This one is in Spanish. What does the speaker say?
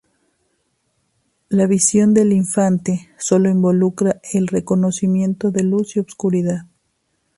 La visión del infante sólo involucra el reconocimiento de luz y oscuridad.